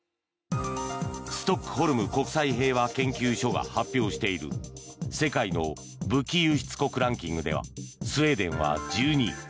ストックホルム国際平和研究所が発表している世界の武器輸出国ランキングではスウェーデンは１２位。